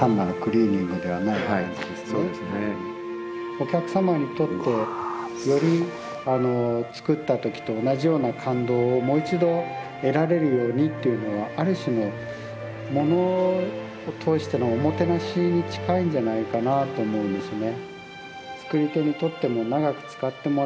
お客様にとってよりつくった時と同じような感動をもう一度得られるようにっていうのはある種のものを通してのおもてなしに近いんじゃないかなと思うんですね。